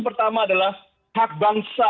pertama adalah hak bangsa